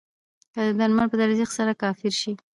که د درمل په تزریق سره کافر شي.